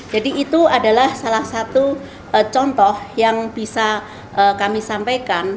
jadi itu adalah salah satu contoh yang bisa kami sampaikan